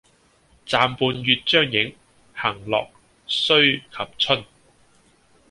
暫伴月將影，行樂須及春